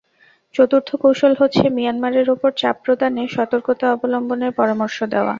চতুর্থ কৌশল হচ্ছে, মিয়ানমারের ওপর চাপ প্রদানে সতর্কতা অবলম্বনের পরামর্শ দেওয়া।